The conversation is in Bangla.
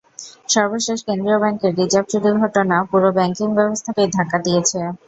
সর্বশেষ কেন্দ্রীয় ব্যাংকের রিজার্ভ চুরির ঘটনা পুরো ব্যাংকিং ব্যবস্থাকেই ধাক্কা দিয়েছে।